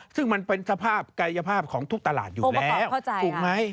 ซึ่งมันเป็นสภาพกายภาพของทุกตลาดอยู่แล้วถูกไหม